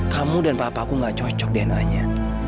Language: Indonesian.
kamu dan papa aku gak cocok dna nya